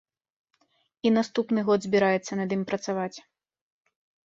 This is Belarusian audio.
І наступны год збіраецца над ім працаваць.